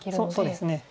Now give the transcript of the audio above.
そうですね。